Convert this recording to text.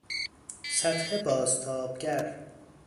سطح بازتابگر